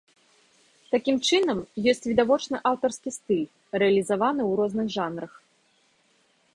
Такім чынам, ёсць відавочны аўтарскі стыль, рэалізаваны ў розных жанрах.